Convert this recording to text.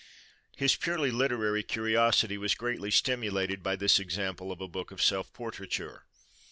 His purely literary curiosity was greatly stimulated by this example of a book of self portraiture.